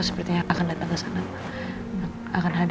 sepertinya akan datang kesana akan hadir ke pengajian hai